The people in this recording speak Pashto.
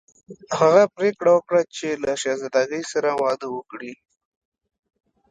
هغه پریکړه وکړه چې له شهزادګۍ سره واده وکړي.